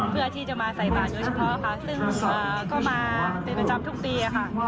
เพื่อที่จะมาใส่บาทโดยเฉพาะค่ะซึ่งก็มาเป็นประจำทุกปีค่ะ